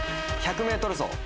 １００ｍ走。